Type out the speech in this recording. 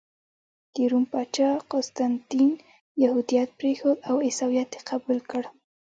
د روم پاچا قسطنطین یهودیت پرېښود او عیسویت یې قبول کړ.